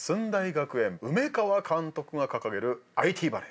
学園梅川監督が掲げるＩＴバレー。